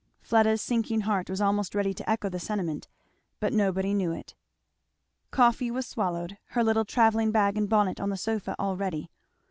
Fleda's sinking heart was almost ready to echo the sentiment; but nobody knew it. Coffee was swallowed, her little travelling bag and bonnet on the sofa; all ready.